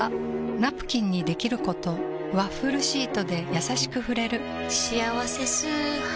ナプキンにできることワッフルシートでやさしく触れる「しあわせ素肌」